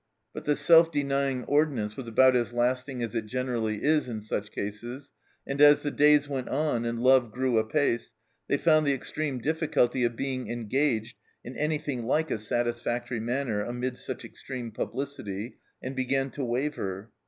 But the self denying ordinance was about as lasting as it generally is in such cases, and as the days went on and love grew apace, they found the extreme difficulty of being en gaged in anything like a satisfactory manner amid such extreme publicity, and began to waver.